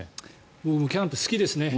僕、キャンプ好きですね。